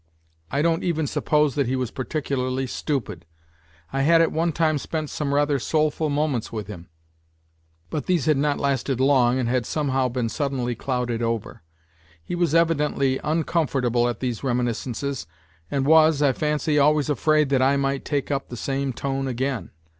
I don't even suppose that he was particularly stupid. I had at one time spent some rather soulful moments with him, but these had not lasted long and had somehow been suddenly clouded over. He was evidently uncomfortable at these reminiscences, and was, I fancy, always afraid that I might take up the same tone again.